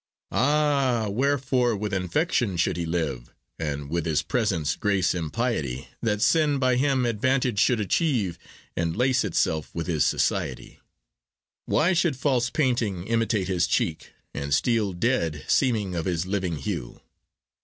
Ah, wherefore with infection should he live And with his presence grace impiety, That sin by him advantage should achieve And lace itself with his society? Why should false painting imitate his cheek, And steal dead seeming of his living hue?